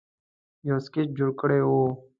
یو سکیچ جوړ کړی وو